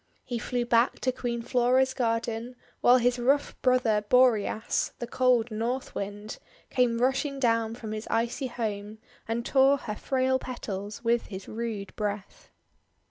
He flew back to Queen Flora's garden; while his rough brother Boreas, the cold North Wind, came rushing down from his icy home, and tore her frail petals with his rude breath.